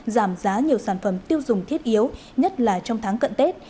giảm giá nhiều sản phẩm tiêu dùng thiết yếu nhất là trong tháng cận tết